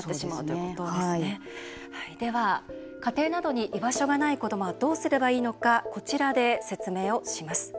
では、家庭などに居場所がない子どもはどうすればいいのかというのをこちらで説明します。